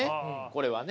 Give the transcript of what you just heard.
これはね。